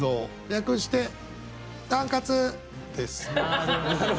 略して「タンカツ」です。